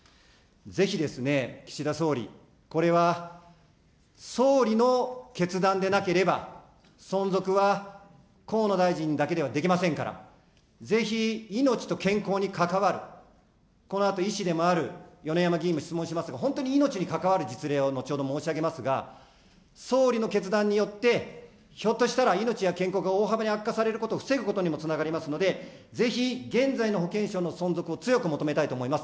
ぜひですね、岸田総理、これは総理の決断でなければ存続は、河野大臣だけではできませんから、ぜひ命と健康に関わる、このあと医師でもある米山議員も質問しますが、本当に命に関わる実例を後ほど申し上げますが、総理の決断によって、ひょっとしたら命や健康が大幅に悪化されることを防ぐことにもつながりますので、ぜひ現在の保険証の存続を強く求めたいと思います。